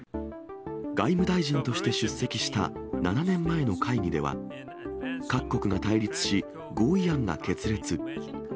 外務大臣として出席した７年前の会議では、各国が対立し、合意案が決裂。